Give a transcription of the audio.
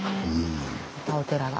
またお寺が。